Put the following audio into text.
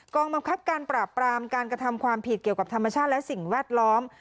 บังคับการปราบปรามการกระทำความผิดเกี่ยวกับธรรมชาติและสิ่งแวดล้อม